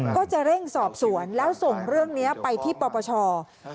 ก็จะเร่งสอบสวนแล้วส่งเรื่องนี้ไปที่ปปช